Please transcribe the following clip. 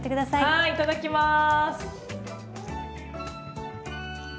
はいいただきます！